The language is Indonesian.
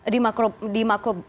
di makur brimop